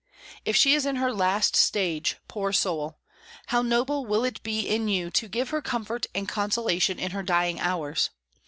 If she is in her last stage, poor soul! how noble will it be in you to give her comfort and consolation in her dying hours!